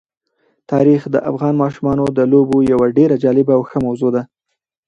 تاریخ د افغان ماشومانو د لوبو یوه ډېره جالبه او ښه موضوع ده.